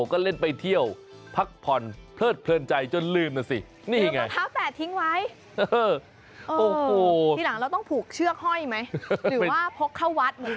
ทีหลังเราต้องผูกเชือกห้อยไหมหรือว่าพกเข้าวัดเหมือนกันเข้าวัด